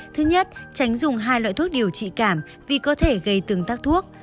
thứ nhất tránh dùng hai loại thuốc điều trị cảm vì có thể gây tương tác thuốc